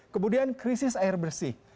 kemudian krisis air bersih